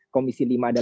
komisi lima adalah sudin